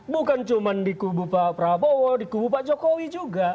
bukan cuma di kubu pak prabowo di kubu pak jokowi juga